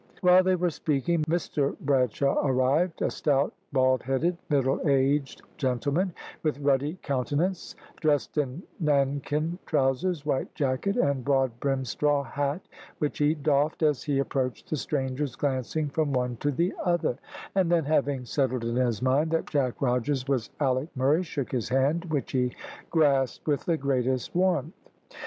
While they were speaking Mr Bradshaw arrived a stout, bald headed, middle aged gentleman, with ruddy countenance, dressed in nankin trousers, white jacket, and broad brimmed straw hat, which he doffed as he approached the strangers, glancing from one to the other; and then, having settled in his mind that Jack Rogers was Alick Murray, shook his hand, which he grasped with the greatest warmth.